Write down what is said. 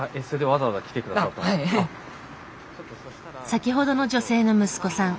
先ほどの女性の息子さん。